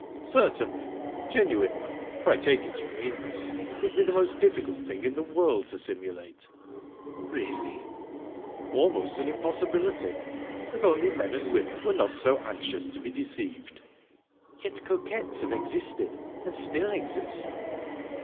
"Certainly. Genuine love for I take it you mean that would be the most difficult thing in the world to simulate." "Really?" "Almost an impossibility, if only men and women were not so anxious to be deceived." "Yet coquettes have existed, and still exist."